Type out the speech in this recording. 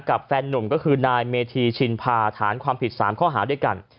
แฟนนุ่มก็คือนายเมธีชินพาฐานความผิด๓ข้อหาด้วยกัน